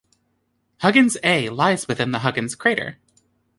Huggins A lies within the Huggins crater.